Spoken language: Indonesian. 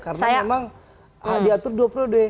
karena memang diatur dua perude